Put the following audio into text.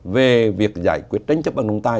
về việc giải quyết tranh chấp bằng trọng tài